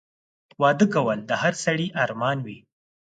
واده کول د هر سړي ارمان وي